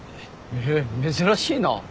へぇ珍しいな。